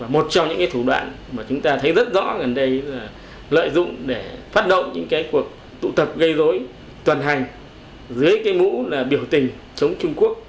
một trong những thủ đoạn mà chúng ta thấy rất rõ gần đây là lợi dụng để phát động những cái cuộc tụ tập gây dối tuần hành dưới cái mũ là biểu tình chống trung quốc